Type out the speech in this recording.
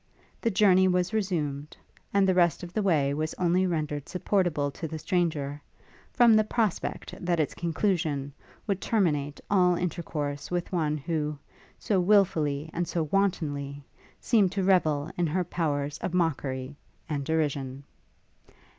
The journey was resumed, and the rest of the way was only rendered supportable to the stranger, from the prospect that its conclusion would terminate all intercourse with one who, so wilfully and so wantonly, seemed to revel in her powers of mockery and derision.